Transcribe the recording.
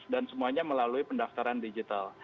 dan semuanya melalui pendaftaran digital